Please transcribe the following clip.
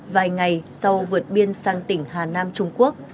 vài ngày sau vượt biên sang tỉnh hà nam trung quốc